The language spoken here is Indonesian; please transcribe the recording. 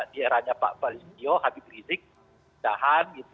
di eranya pak balistio habib rizik tahan